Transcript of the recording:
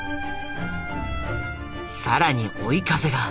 更に追い風が。